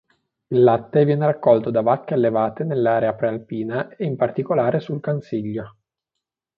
Il latte viene raccolto da vacche allevate nell'area prealpina e in particolare sul Cansiglio.